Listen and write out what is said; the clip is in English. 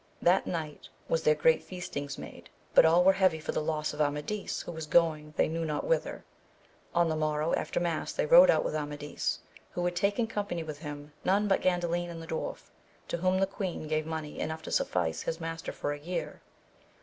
That night was there great feastings made, but all were heavy for the loss of Amadis, who was going they knew not whither. On AMADIS OF GAUL, 237 the morrow after mass they rode out with Amadis, who would take in company with him none but Gan dalin and the dwarf, to whom the queen gave money enough to suffice his master for a year.